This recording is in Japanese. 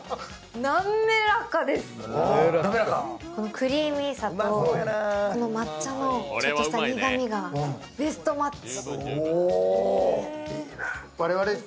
クリーミーさと抹茶のちょっとした苦みがベストマッチ。